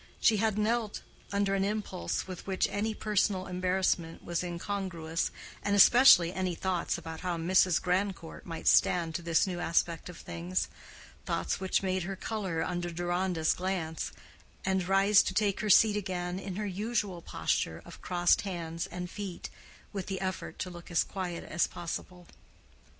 She had knelt under an impulse with which any personal embarrassment was incongruous, and especially any thoughts about how Mrs. Grandcourt might stand to this new aspect of things—thoughts which made her color under Deronda's glance, and rise to take her seat again in her usual posture of crossed hands and feet, with the effort to look as quiet as possible.